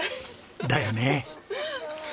だよね！